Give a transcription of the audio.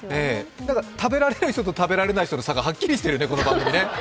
食べられる人と食べられない人の差がはっきりしているね、この番組ね。